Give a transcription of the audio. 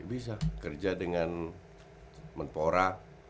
bisa kerja dengan mentora